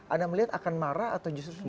anda melihat akan marah atau justru